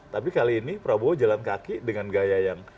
tapi kali ini prabowo jalan kaki dengan gaya yang